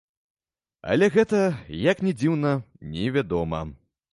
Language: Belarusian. Але гэта, як ні дзіўна, невядома.